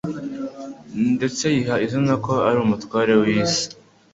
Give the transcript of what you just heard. ndetse yiha izina ko ari umutware w'iy'isi.